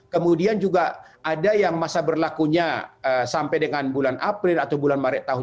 kemudian juga ada yang masa berlakunya sampai dengan bulan april atau bulan maret